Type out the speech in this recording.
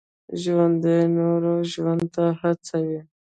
ژوندي نور ژوند ته هڅوي